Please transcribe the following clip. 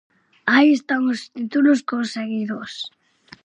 Aí están os títulos conseguidos.